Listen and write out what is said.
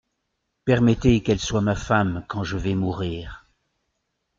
Permettez qu'elle soit ma femme quand je vais mourir.